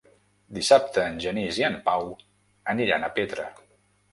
Dissabte en Genís i en Pau aniran a Petra.